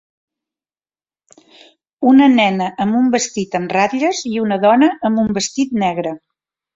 Una nena amb un vestit amb ratlles i una dona amb un vestit negre.